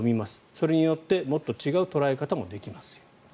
それによってもっと違う捉え方もできますよと。